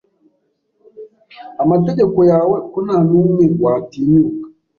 amategeko yawe Ko ntanumwe watinyuka